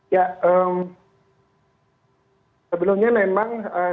ya sebelumnya memang